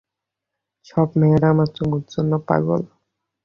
সব মেয়েরা আমার চুমুর জন্য পাগল।